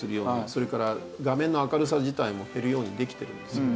それから画面の明るさ自体も減るようにできてるんですよ。